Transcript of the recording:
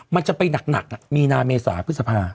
มันจะไปหนักมีหนามีสหพฤษภาพ